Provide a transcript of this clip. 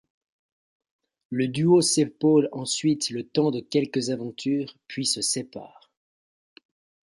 Le duo s’épaule ensuite le temps de quelques aventures puis se sépare.